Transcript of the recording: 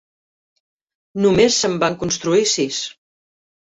Només se'n van construir sis.